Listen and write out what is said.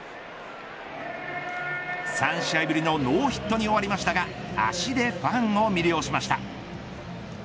３試合ぶりのノーヒットに終わりましたが足でファンを魅了しました。